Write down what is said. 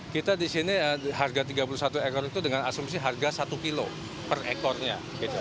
kita di sini harga tiga puluh satu ekor itu dengan asumsi harga satu kilo per ekornya